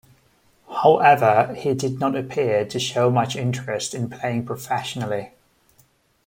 However, he did not appear to show much interest in playing professionally.